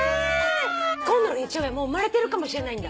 今度の日曜日はもう生まれてるかもしれないんだ。